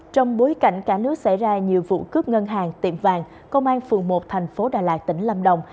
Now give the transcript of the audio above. trong bối cảnh cả nước xảy ra nhiều vụ cướp ngân hàng tiệm vàng công an phường một thành phố đà lạt tỉnh lâm đồng